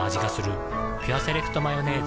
「ピュアセレクトマヨネーズ」